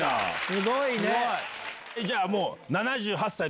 すごいね！